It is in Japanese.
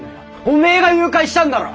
おめえが誘拐したんだろ！